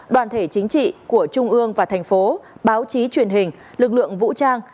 đoàn thể chính trị của trung ương và thành phố báo chí truyền hình lực lượng vũ trang